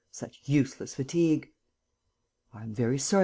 Such useless fatigue!" "I am very sorry, M.